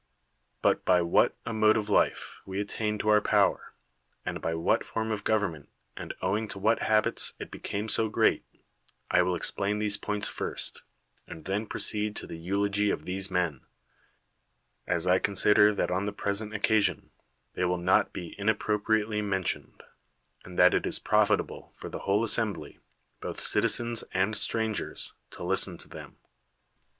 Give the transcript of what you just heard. But by what a mode of life we attained to our power, and by what form of government and owing to what habits it became so great, I will explain these points first, and then proceed to the eulogy of these men; as I consider that on the present occasion they will not be inapjjropriately men tioned, and that it is profitable for the whole as sembly, both citizens and strangers, to listen to them.